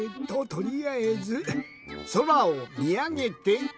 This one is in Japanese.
とりあえずそらをみあげて。